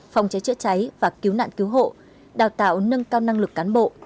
phòng cháy chữa cháy và cứu nạn cứu hộ đào tạo nâng cao năng lực cán bộ